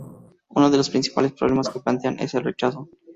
Uno de los principales problemas que plantean es el rechazo.